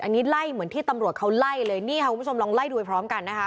อันนี้ไล่เหมือนที่ตำรวจเขาไล่เลยนี่ค่ะคุณผู้ชมลองไล่โดยพร้อมกันนะคะ